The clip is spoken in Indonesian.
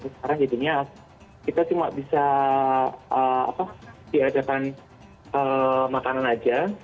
sekarang jadinya kita cuma bisa apa diadakan makanan saja